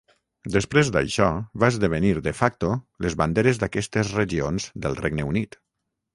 Després d'això, va esdevenir "de facto" les banderes d'aquestes regions del Regne Unit.